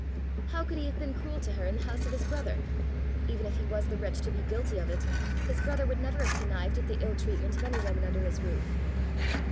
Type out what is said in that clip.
"How could he have been cruel to her in the house of his brother? Even if he was the wretch to be guilty of it, his brother would never have connived at the ill treatment of any woman under his roof!"